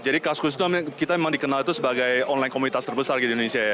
jadi kaskus itu kita memang dikenal itu sebagai online komunitas terbesar di indonesia ya